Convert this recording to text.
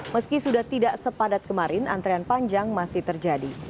meski sudah tidak sepadat kemarin antrean panjang masih terjadi